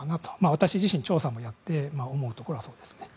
私自身、調査をやって思うところはそうですね。